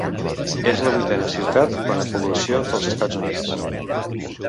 És la vuitena ciutat quant a població dels Estats Units.